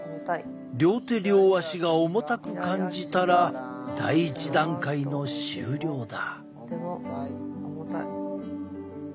両手両足が重たく感じたら第１段階の終了だ。